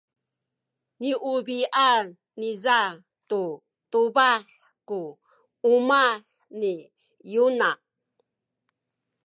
niubi’an niza tu tubah ku umah ni Yona.